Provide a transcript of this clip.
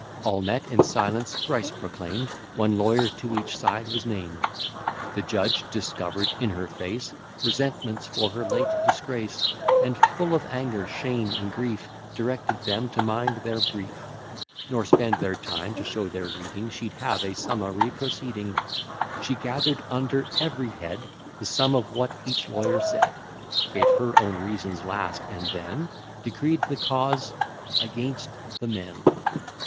All met; and, silence thrice proclaimed, One lawyer to each side was named. The judge discover'd in her face Resentments for her late disgrace; And full of anger, shame, and grief, Directed them to mind their brief; Nor spend their time to show their reading: She'd have a summary proceeding. She gather'd under every head The sum of what each lawyer said, Gave her own reasons last, and then Decreed the cause against the men.